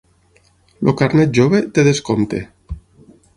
El carnet jove té descompte.